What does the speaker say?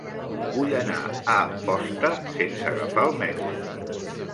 Vull anar a Amposta sense agafar el metro.